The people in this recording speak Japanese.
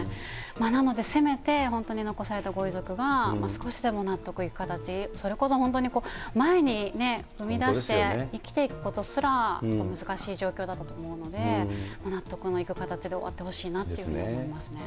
なので、せめて本当に残されたご遺族が少しでも納得いく形、それこそ本当に前に踏み出して生きていくことすら難しい状況だと思うので、納得のいく形で終わってほしいなっていうふうに思いますね。